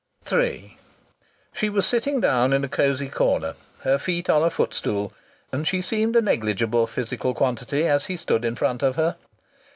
III She was sitting down in a cosy corner, her feet on a footstool, and she seemed a negligible physical quantity as he stood in front of her.